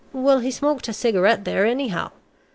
Well, he smoked a cigarette there, anyhow.